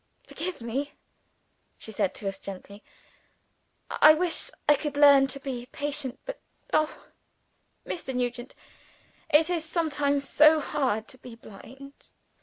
"Forgive me," she said to us gently. "I wish I could learn to be patient. But, oh, Mr. Nugent, it is sometimes so hard to be blind!"